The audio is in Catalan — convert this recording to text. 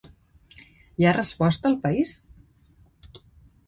Hi ha resposta al país?